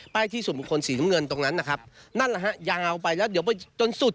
ที่ส่วนบุคคลสีน้ำเงินตรงนั้นนะครับนั่นแหละฮะยาวไปแล้วเดี๋ยวไปจนสุด